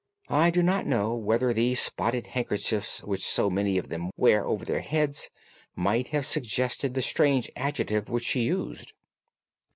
I do not know whether the spotted handkerchiefs which so many of them wear over their heads might have suggested the strange adjective which she used."